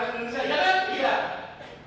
kamu dibayar oleh negara indonesia